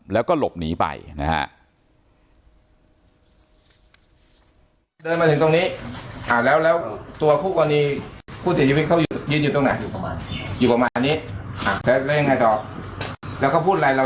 แล้วก็หลบหนีไปนะฮะ